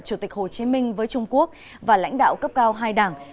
chủ tịch hồ chí minh với trung quốc và lãnh đạo cấp cao hai đảng